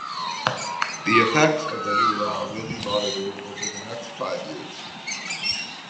The effects of the new law will be monitored over the next five years.